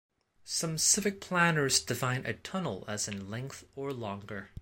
Some civic planners define a tunnel as in length or longer.